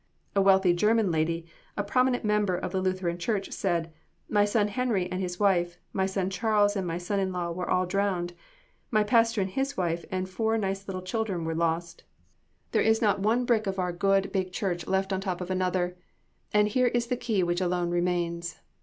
A wealth German lady, a prominent member of the Lutheran church, said, "My son Henry and his wife, my son Charles and my son in law were all drowned; my pastor and his wife and four nice little children were lost; there is not one brick of our good, big church left on top of another; and here is the key, which alone remains.